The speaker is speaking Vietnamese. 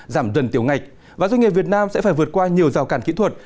giảm dần tiểu ngạch và doanh nghiệp việt nam sẽ phải vượt qua nhiều rào cản kỹ thuật